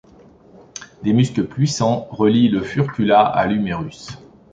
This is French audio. Des muscles puissants relient le furcula à l'humérus.